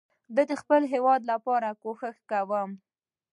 ده خپل هيواد لپاره کوښښ کوم